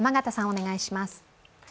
お願いします。